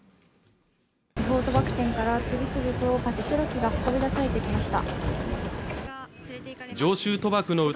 違法賭博店から次々とパチスロ機が運び出されてきました